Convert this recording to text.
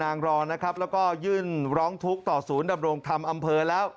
สพนางรรนะครับแล้วก็ยื่นร้องทุกข์ต่อศูนย์ดับโรงทำอำเภอแล้ว